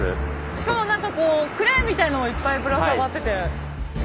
しかもなんかこうクレーンみたいなのもいっぱいぶら下がってて。